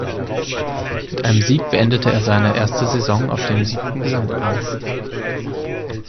Mit einem Sieg beendete er seine erste Saison auf dem siebten Gesamtrang.